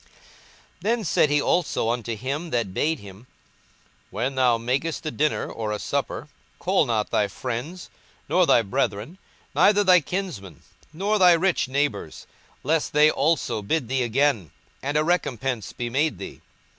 42:014:012 Then said he also to him that bade him, When thou makest a dinner or a supper, call not thy friends, nor thy brethren, neither thy kinsmen, nor thy rich neighbours; lest they also bid thee again, and a recompence be made thee.